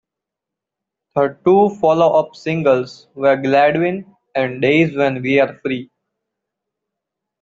The two follow-up singles were "Gladwin" and "Days When We Are Free".